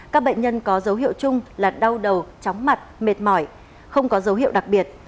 các bệnh nhân có dấu hiệu chung là đau đầu chóng mặt mệt mỏi không có dấu hiệu đặc biệt